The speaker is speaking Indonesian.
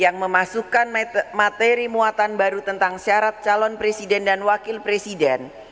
yang memasukkan materi muatan baru tentang syarat calon presiden dan wakil presiden